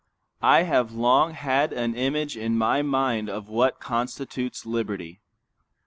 I have long had an image in my mind of what constitutes liberty.